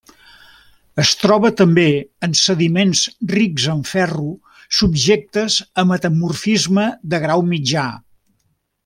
Es troba també en sediments rics en ferro subjectes a metamorfisme de grau mitjà.